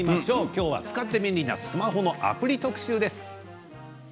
今日は使って便利なスマホのアプリ特集です。